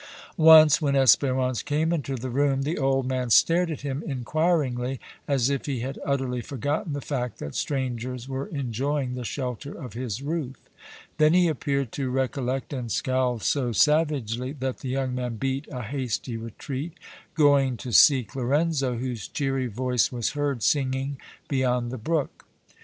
Once when Espérance came into the room the old man stared at him inquiringly, as if he had utterly forgotten the fact that strangers were enjoying the shelter of his roof; then he appeared to recollect and scowled so savagely that the young man beat a hasty retreat, going to seek Lorenzo, whose cheery voice was heard singing beyond the brook.